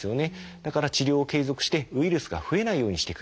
だから治療を継続してウイルスが増えないようにしていく。